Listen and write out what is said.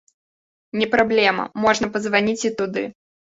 Не праблема, можна пазваніць і туды.